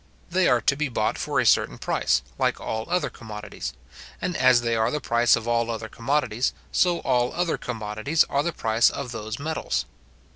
They are to be bought for a certain price, like all other commodities; and as they are the price of all other commodities, so all other commodities are the price of those metals.